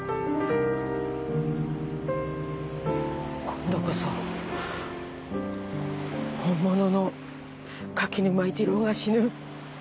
「今度こそホンモノの垣沼一郎が死ぬ。